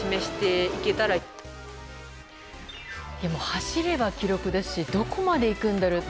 走れば記録ですしどこまでいくんだろう。